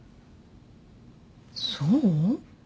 そう？